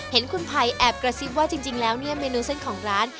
เห็นคุณภัยแอบกระซิบว่าจริงแล้วเนี่ยเมนูเส้นของร้าน